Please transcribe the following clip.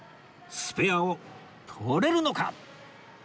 スペアを取れるのか！？